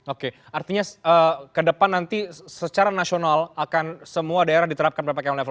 oke artinya ke depan nanti secara nasional akan semua daerah diterapkan ppkm level empat